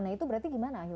nah itu berarti gimana